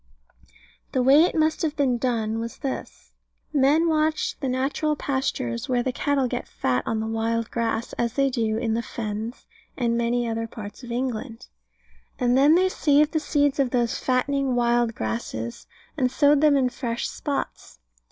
The way it must have been done was this. Men watched the natural pastures where cattle get fat on the wild grass, as they do in the Fens, and many other parts of England. And then they saved the seeds of those fattening wild grasses, and sowed them in fresh spots.